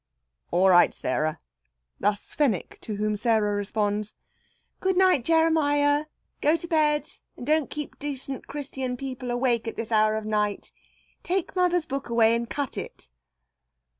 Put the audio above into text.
"All right, Sarah." Thus Fenwick, to whom Sarah responds: "Good night, Jeremiah. Go to bed, and don't keep decent Christian people awake at this hour of the night. Take mother's book away, and cut it."